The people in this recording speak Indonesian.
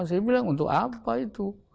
saya bilang untuk apa itu